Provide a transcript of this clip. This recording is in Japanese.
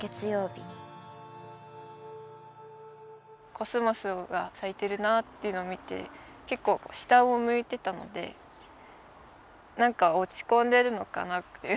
コスモスが咲いてるなっていうのを見て結構下を向いてたので何か落ち込んでるのかなって。